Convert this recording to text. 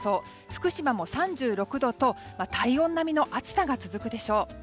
福島も３６度と体温並みの暑さが続くでしょう。